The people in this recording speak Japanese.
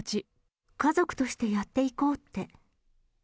家族としてやっていこうって。